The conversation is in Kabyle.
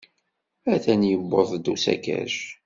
Atan yuweḍ-d usakac.